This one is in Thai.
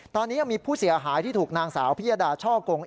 ตอนนี้ยังมีผู้เสียหายที่ถูกนางสาวพิยดาช่อกง